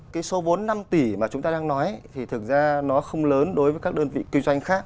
cái số vốn năm tỷ mà chúng ta đang nói thì thực ra nó không lớn đối với các đơn vị kinh doanh khác